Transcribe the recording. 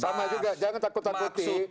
sama juga jangan takut takuti